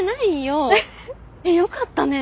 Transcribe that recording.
よかったね。